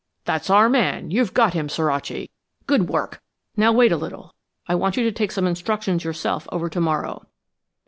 "That's our man! You've got him, Suraci. Good work! Now wait a little; I want you to take some instructions yourself over to Morrow."